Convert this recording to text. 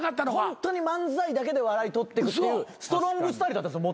ホントに漫才だけで笑い取ってくっていうストロングスタイルだったもともとは。